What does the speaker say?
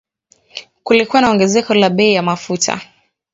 Kulikuwa na ongezeko la bei ya mafuta